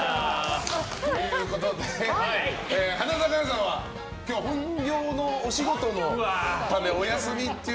花澤香菜さんは今日本業のお仕事のためお休みという。